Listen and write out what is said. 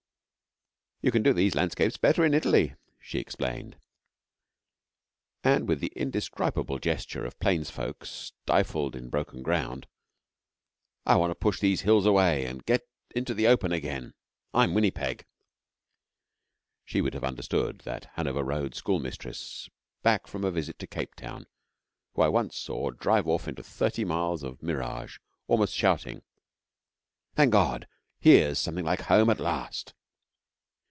'You can do these landscapes better in Italy,' she explained, and, with the indescribable gesture of plains folk stifled in broken ground, 'I want to push these hills away and get into the open again! I'm Winnipeg.' She would have understood that Hanover Road schoolmistress, back from a visit to Cape Town, whom I once saw drive off into thirty miles of mirage almost shouting, 'Thank God, here's something like home at last.'